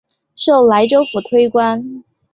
授莱州府推官。